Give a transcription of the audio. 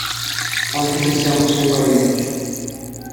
Anche se siamo suoi parenti.